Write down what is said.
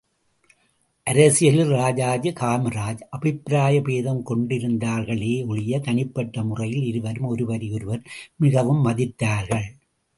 அரசியலில் ராஜாஜி காமராஜ் அபிப்பிராய பேதம் கொண்டிருந்தார்களே ஒழிய, தனிப்பட்ட முறையில் இருவரும் ஒருவரை ஒருவர் மிகவும் மதித்தார்கள்.